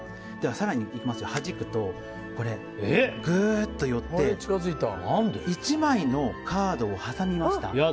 更にはじくと、グーッと寄って１枚のカードを挟みました。